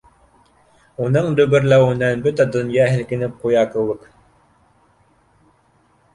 Уның дөбөрләүенән бөтә донъя һелкенеп ҡуя кеүек.